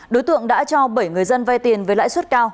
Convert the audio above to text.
đối tượng đã cho bảy người dân vay tiền với lãi suất cao